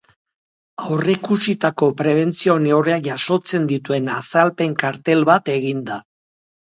Aurreikusitako prebentzio-neurriak jasotzen dituen azalpen-kartel bat egin da.